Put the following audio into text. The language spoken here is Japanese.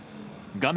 画面